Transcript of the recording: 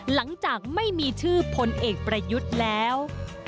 หลังจากไม่มีชื่อพลเอกประยุทธ์แล้ว